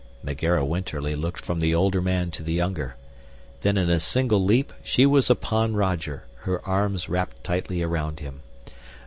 Megera Winterly looked from the older man to the younger. Then in a single leap she was upon Roger, her arms wrapped tightly around him.